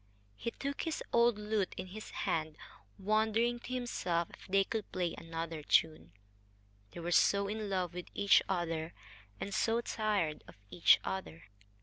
He took his old lute in his hand wondering to himself if they could play another tune. They were so in love with each other and so tired of each other.